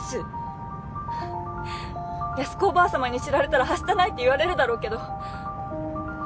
八寿子おばあさまに知られたらはしたないって言われるだろうけど私には無理。